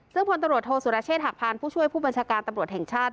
ซึ่งพลตำรวจโทษสุรเชษฐหักพานผู้ช่วยผู้บัญชาการตำรวจแห่งชาติ